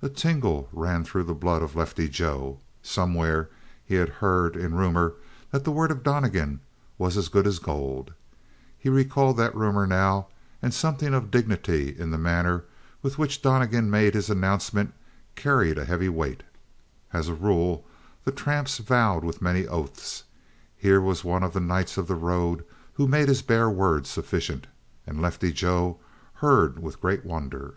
A tingle ran through the blood of Lefty Joe. Somewhere he had heard, in rumor, that the word of Donnegan was as good as gold. He recalled that rumor now and something of dignity in the manner with which Donnegan made his announcement carried a heavy weight. As a rule, the tramps vowed with many oaths; here was one of the nights of the road who made his bare word sufficient. And Lefty Joe heard with great wonder.